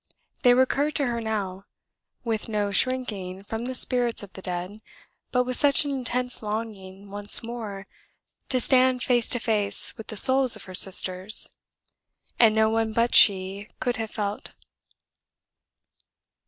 They recurred to her now, with no shrinking from the spirits of the Dead, but with such an intense longing once more to stand face to face with the souls of her sisters, as no one but she could have felt.